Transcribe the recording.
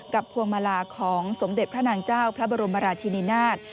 พวงมาลาของสมเด็จพระนางเจ้าพระบรมราชินินาศ